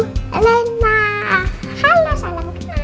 halo salam kenal